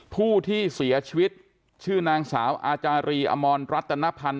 ผู้ที่เสียชีวิตชื่อนางสาวอาจารีอมรรัตนพันธ์